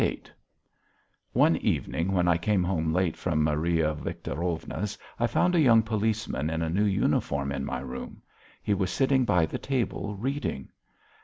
VIII One evening when I came home late from Maria Victorovna's I found a young policeman in a new uniform in my room; he was sitting by the table reading.